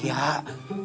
ya udah gue masuk